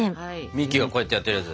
ミッキーがこうやってやってるやつ。